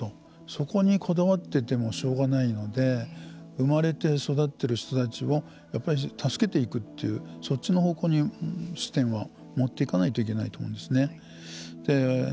そこにこだわっててもしょうがないので産まれて育っている人たちをやっぱり助けていくというそっちの方向に視点を持っていかないと思うんですね。